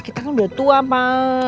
kita kan udah tua mah